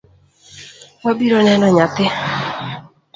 Wabiro neno nyathi.